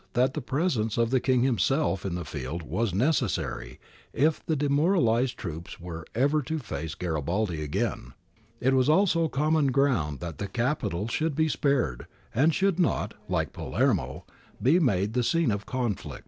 ta 172 GARIBALDI AND THE MAKING OF ITALY presence of the King himself in the field was necessary if the demoralised troops were ever to face Garibaldi again. It was also common ground that the Capital should be spared and should not, like Palermo, be made the scene of conflict.